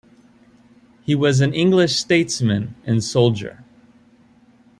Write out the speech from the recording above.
He was an English statesman and soldier.